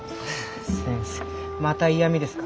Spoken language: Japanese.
先生また嫌みですか。